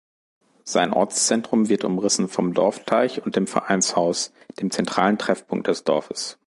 Sein Ortszentrum wird umrissen vom Dorfteich und dem Vereinshaus, dem zentralen Treffpunkt des Dorfes.